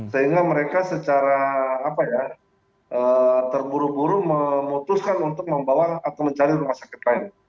sehingga mereka secara terburu buru memutuskan untuk membawa atau mencari rumah sakit lain